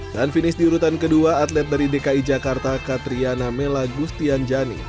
dan finish diurutan kedua atlet dari dki jakarta katriana melagustian jani